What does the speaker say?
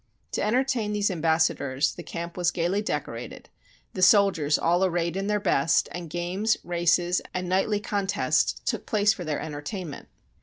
To entertain these ambassadors the camp was gaily decorated, the soldiers all arrayed in their best, and games, races, and knightly con tests took place for their entertainment.